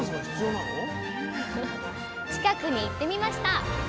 近くに行ってみました！